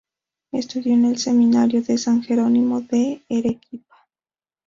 Estudió en el Seminario de San Jerónimo de Arequipa.